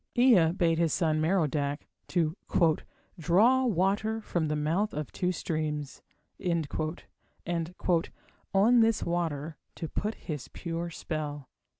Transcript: Ea bade his son, Merodach, to "draw water from the mouth of two streams", and "on this water to put his pure spell".